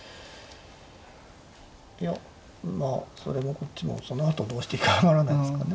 いやまあそれもこっちもそのあとどうしていいか分からないですかね。